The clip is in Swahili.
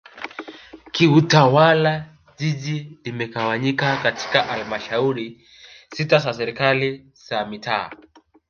Kiutawala Jiji limegawanyika katika Halmashauri sita za Serikali za mitaa